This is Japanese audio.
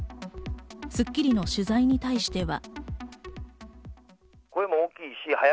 『スッキリ』の取材に対しては。